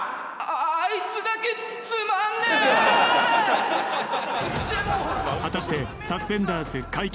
あいつだけつまんねえ果たしてサスペンダーズ怪奇！